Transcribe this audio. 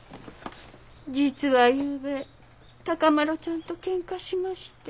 実はゆうべ孝麿ちゃんと喧嘩しまして。